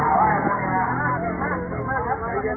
วิธีนักศึกษาติธรรมชาติ